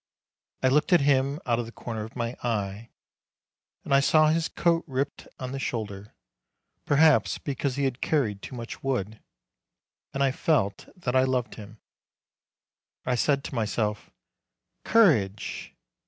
I looked at him out of the corner of my eye, and I saw his coat ripped on the shoulder, perhaps because he had carried too much wood, and I felt that I loved him. I said to myself, "Courage!"